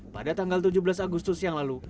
pada tanggal tujuh belas agustus yang lalu